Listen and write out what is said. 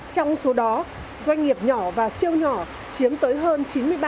trong số đó doanh nghiệp nhỏ và siêu nhỏ chiếm tới hơn chín mươi ba